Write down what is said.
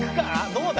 どうだ？」